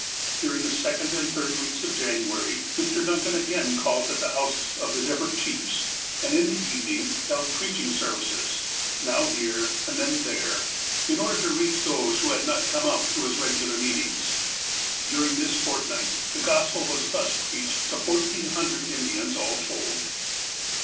During the second and third weeks of January, Mr. Duncan again called at the houses of the different FIRST FRUITS 149 chiefs, and, in the evening, held preaching services, now here, and then there, in order to reach those who had not come oat to his regular meetings. During this fortnight, the Gospel was thus preached to fourteen hundred Indians, all told.